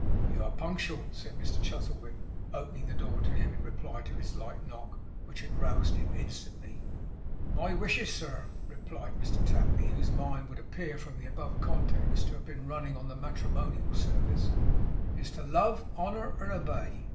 'You are punctual,' said Mr Chuzzlewit, opening the door to him in reply to his light knock, which had roused him instantly. 'My wishes, sir,' replied Mr Tapley, whose mind would appear from the context to have been running on the matrimonial service, 'is to love, honour, and obey.